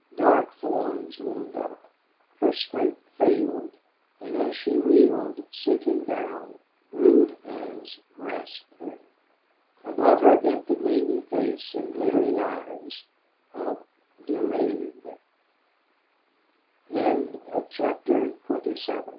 Dark forms loomed up. Her strength failed, and as she reeled, sinking down, rude hands grasped her. Above her bent the gleaming face and glittering eyes of Durade. 28 Beauty Stanton opened her